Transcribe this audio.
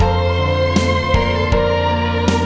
aku masih main